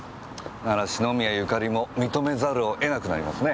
なら篠宮ゆかりも認めざるを得なくなりますね。